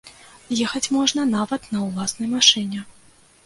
Ехаць можна нават на ўласнай машыне.